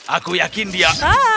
aku yakin dia